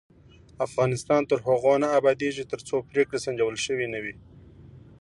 افغانستان تر هغو نه ابادیږي، ترڅو پریکړې سنجول شوې نه وي.